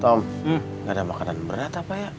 tom gak ada makanan berat apa ya